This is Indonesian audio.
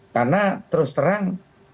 karena terus terang